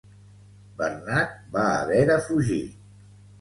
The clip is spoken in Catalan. Bernat va haver de fugir.